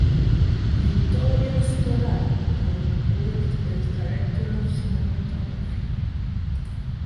Vittorio Storaro worked as director of cinematography.